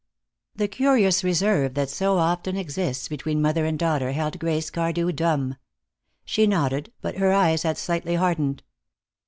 The curious reserve that so often exists between mother and daughter held Grace Cardew dumb. She nodded, but her eyes had slightly hardened.